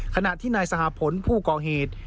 ขณะที่นายสหพลผู้ก่อเหตุ